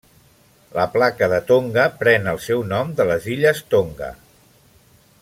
La placa de Tonga pren el seu nom de les Illes Tonga.